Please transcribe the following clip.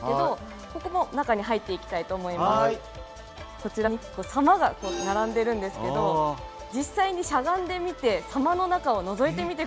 こちらに狭間が並んでいるんですけど実際にしゃがんでみて狭間の中をのぞいてみて下さい。